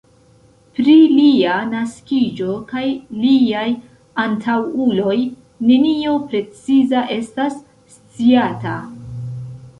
Pri lia naskiĝo kaj liaj antaŭuloj nenio preciza estas sciata.